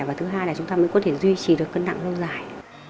và thứ hai là chúng ta mới có thể duy trì được cân nặng lâu dài